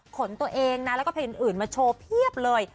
ตัวเองนะแล้วก็เพลงอื่นมาโชว์เพียบเลย